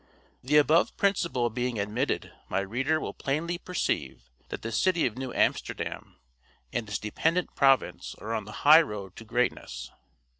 The above principle being admitted, my reader will plainly perceive that the city of New Amsterdam and its dependent province are on the high road to greatness.